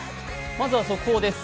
まずは速報です。